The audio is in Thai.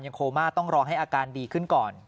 โคม่าต้องรอให้อาการดีขึ้นก่อน